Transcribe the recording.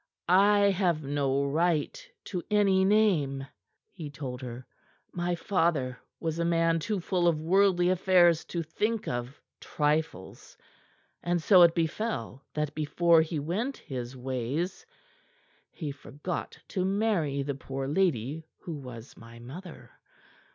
"I have no right to any name," he told her. "My father was a man too full of worldly affairs to think of trifles. And so it befell that before he went his ways he forgot to marry the poor lady who was my mother.